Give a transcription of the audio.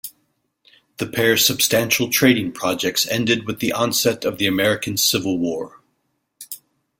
The pair's substantial trading projects ended with the onset of the American Civil War.